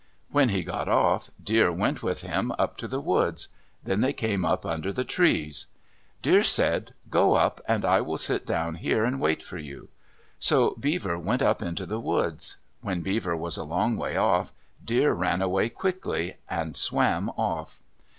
When he got off, Deer went with him up to the woods. Then they came up under the trees. Deer said, "Go up, and I will sit down here and wait for you." So Beaver went up into the woods. When Beaver was a long way off, Deer ran away quickly and swam off.